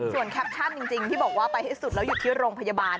ส่วนแคปชั่นจริงที่บอกว่าไปให้สุดแล้วอยู่ที่โรงพยาบาล